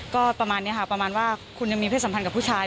ก็ประมาณนี้ค่ะประมาณว่าคุณยังมีเพศสัมพันธ์กับผู้ชาย